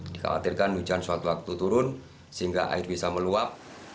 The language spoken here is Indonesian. dikhawatirkan hujan suatu waktu turun sehingga air bisa meluap